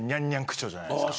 じゃないですか。